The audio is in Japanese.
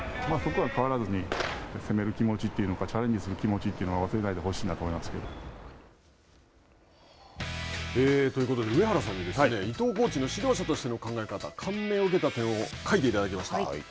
そこは変わらずに攻める気持ちというのかチャレンジする気持ちというのを忘れないでほしいなとということで上原さん、伊藤コーチの指導者としての考え方感銘を受けた点を書いていただきました。